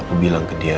aku bilang ke dia